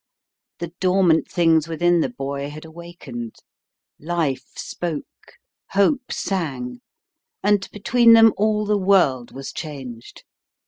The dormant things within the boy had awakened. Life spoke; Hope sang; and between them all the world was changed.